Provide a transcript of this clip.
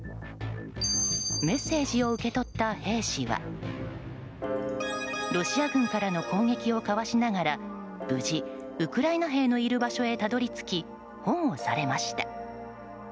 メッセージを受け取った兵士はロシア軍からの攻撃をかわしながら無事、ウクライナ兵のいる場所へたどり着き保護されました。